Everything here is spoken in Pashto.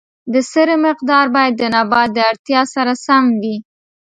د سرې مقدار باید د نبات اړتیا سره سم وي.